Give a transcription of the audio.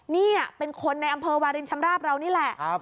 นี่เป็นคนในอำเภอวาลินชำราบเรานี่แหละ